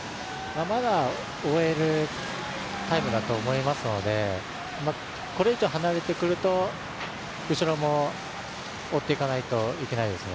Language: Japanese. まだ追えるタイムだと思いますので、これ以上離れてくると、後ろも追っていかないといけないです。